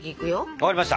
分かりました。